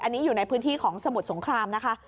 อันนี้อยู่ในพื้นที่ของสมุทรสงครามนะคะ